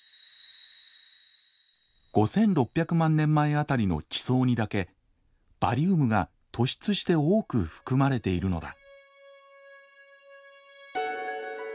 ５，６００万年前辺りの地層にだけバリウムが突出して多く含まれているのだ。